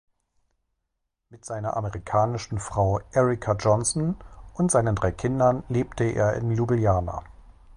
Mit seiner amerikanischen Frau Erica Johnson und seinen drei Kindern lebte er in Ljubljana.